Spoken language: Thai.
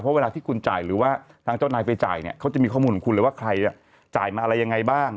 เพราะเวลาที่คุณจ่ายหรือว่าทางเจ้านายไปจ่ายเนี่ยเขาจะมีข้อมูลของคุณเลยว่าใครจ่ายมาอะไรยังไงบ้าง